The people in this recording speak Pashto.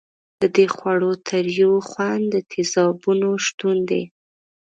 د دې خوړو تریو خوند د تیزابونو شتون دی.